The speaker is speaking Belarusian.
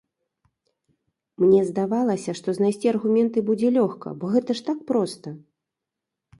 Мне здавалася, што знайсці аргументы будзе лёгка, бо гэта ж так проста.